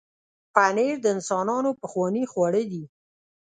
پنېر د انسانانو پخوانی خواړه دی.